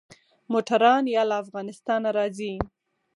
موټران يا له افغانستانه راځي.